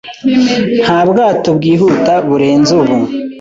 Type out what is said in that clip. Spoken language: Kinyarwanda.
Nta bwato bwihuta burenze ubu.